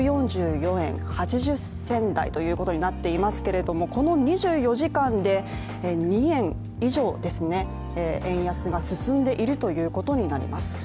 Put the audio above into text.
１４４円８０銭台ということになっていますが、この２４時間で２円以上円安が進んでいるということになります。